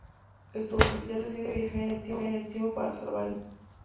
El suboficial decide viajar en el tiempo para salvar el mundo.